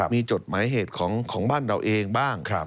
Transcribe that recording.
มีจดหมายเหตุของบ้านเราเองบ้าง